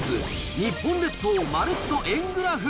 日本列島まるっと円グラフ。